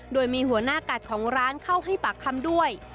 โดยมีหัวหน้ากัดของร้านเข้าให้ปากคำด้วย